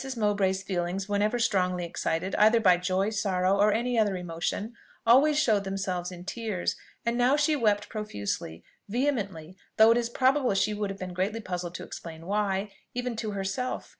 Mowbray's feelings whenever strongly excited, either by joy, sorrow, or any other emotion, always showed themselves in tears, and she now wept profusely vehemently; though it is probable she would have been greatly puzzled to explain why, even to herself.